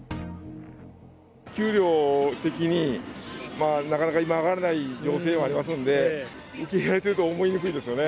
給料的になかなか今、上がらない情勢にありますんで、受け入れられているとは考えにくいですよね。